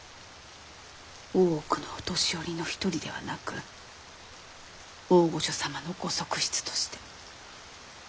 大奥の御年寄りの一人ではなく大御所様のご側室として。